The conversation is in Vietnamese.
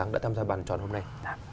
đã tham gia bàn chọn hôm nay